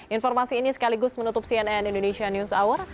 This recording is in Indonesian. informasi ini sekaligus menutup cnn indonesia news hour